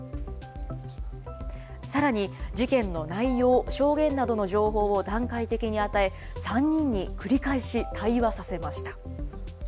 さらに、事件の内容、証言など情報を段階的に与え、３人に繰り返し対話させました。